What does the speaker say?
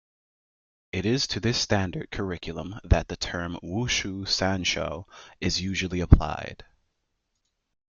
It is to this standard curriculum that the term "Wushu Sanshou" is usually applied.